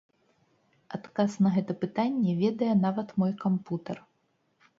Адказ на гэта пытанне ведае нават мой кампутар.